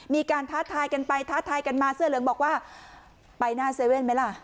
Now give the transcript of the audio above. ท้าทายกันไปท้าทายกันมาเสื้อเหลืองบอกว่าไปหน้าเซเว่นไหมล่ะ